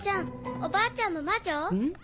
おばあちゃんも魔女？